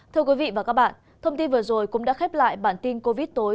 thưa quý vị và các bạn thông tin vừa rồi cũng đã khép lại bản tin covid tối